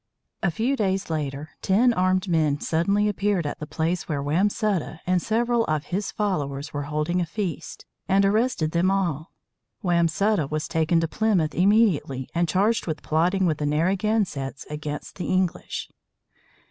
A few days later, ten armed men suddenly appeared at the place where Wamsutta and several of his followers were holding a feast, and arrested them all. Wamsutta was taken to Plymouth immediately, and charged with plotting with the Narragansetts against the English.